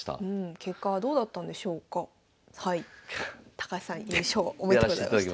高橋さん優勝おめでとうございました。